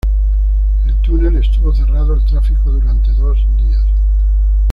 El túnel estuvo cerrado al tráfico durante dos días.